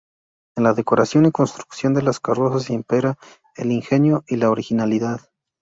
En la decoración y construcción de las carrozas impera el ingenio y la originalidad.